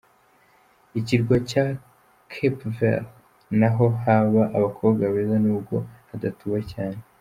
Ikirwa cya cape Vert naho haba abakobwa beza n’ubwo hadatuwe cyane.